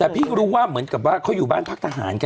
แต่พี่รู้ว่าเหมือนกับว่าเขาอยู่บ้านพักทหารกัน